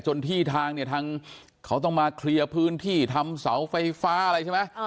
ที่ทางเนี่ยทางเขาต้องมาเคลียร์พื้นที่ทำเสาไฟฟ้าอะไรใช่ไหม